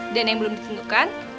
dan yang belum ditentukan